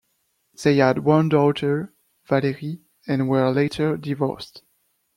They had one daughter, Valerie, and were later divorced.